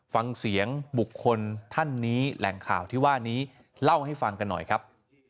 ฟังเสียงบุคคลท่านนี้แหล่งข่าวที่ว่านี้เล่าให้ฟังกันหน่อยครับ